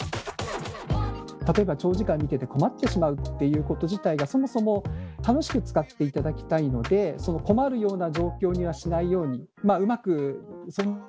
例えば長時間見てて困ってしまうっていうこと自体がそもそも楽しく使っていただきたいのでうまくその辺りを例えば